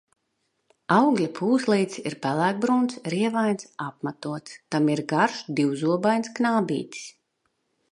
Augļa pūslītis ir pelēkbrūns, rievains, apmatots, tam ir garš, divzobains knābītis.